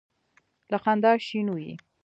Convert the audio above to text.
له خندا شین وي.